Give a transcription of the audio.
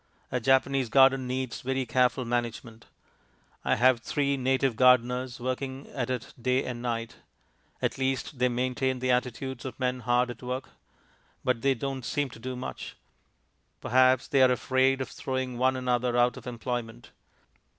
A Japanese garden needs very careful management. I have three native gardeners working at it day and night. At least they maintain the attitudes of men hard at work, but they don't seem to do much; perhaps they are afraid of throwing one another out of employment.